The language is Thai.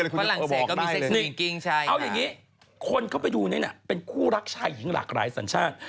เอาอย่างนี้คนเข้าไปดูเนี้ยเป็นคู่รักชายหญิงหลากหลายสันชาติ